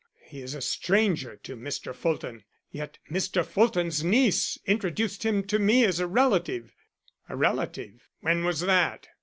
He's a stranger to Mr. Fulton; yet Mr. Fulton's niece introduced him to me as a relative." "A relative? When was that?"